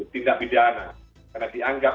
tidak pidana karena dianggap